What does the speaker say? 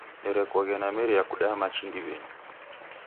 Nerekoghe nameria kudaya machi ndiw'enyi.